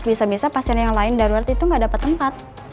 bisa bisa pasien yang lain darurat itu nggak dapat tempat